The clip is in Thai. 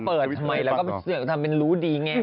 ก็เปิดหมายแล้วก็เลือกทำเป็นรู้ดีแงง